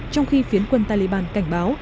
trong khi phiến quân taliban cảnh báo